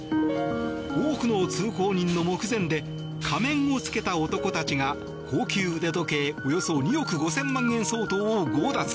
多くの通行人の目前で仮面を着けた男たちが高級腕時計およそ１億５０００万円相当を強奪。